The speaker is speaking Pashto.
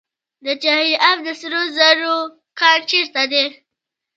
د چاه اب د سرو زرو کان چیرته دی؟